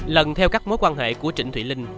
lần theo các mối quan hệ của trịnh thùy linh